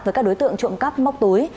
với các đối tượng trộm cắp móc túi